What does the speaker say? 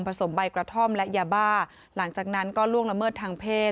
สมใบกระท่อมและยาบ้าหลังจากนั้นก็ล่วงละเมิดทางเพศ